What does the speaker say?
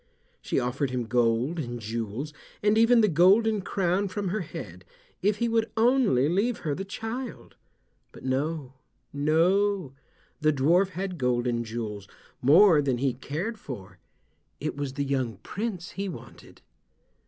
She offered him gold and jewels, and even the golden crown from her head, if he would only leave her the child. But no—no—the dwarf had gold and jewels, more than he cared for. It was the young Prince he wanted.